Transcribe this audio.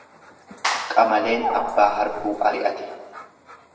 Qamaleen abbaa harbuu ari'ate.